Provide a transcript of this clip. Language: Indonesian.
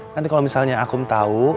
nanti kalo misalnya akum tau